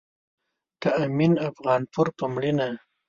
د امين افغانپور په مړينه